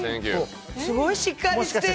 すごいしっかりしてる！